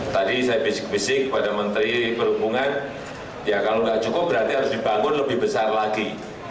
tadi saya bisik bisik kepada menteri perhubungan ya kalau nggak cukup berarti harus dibangun lebih besar lagi